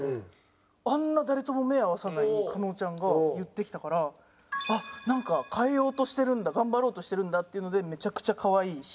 あんな誰とも目合わさない加納ちゃんが言ってきたからあっなんか変えようとしてるんだ頑張ろうとしてるんだっていうのでめちゃくちゃかわいいし。